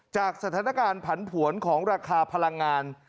จากสถานการณ์ผันผวนของราคาพลังงาน